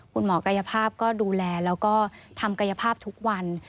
คุณหมอกายภาพก็ดูแลแล้วก็ทำกายภาพทุกวัน